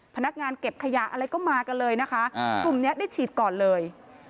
พนักงานเก็บขยะอะไรก็มากันเลยนะคะกลุ่มนี้ได้ฉีดก่อนเลย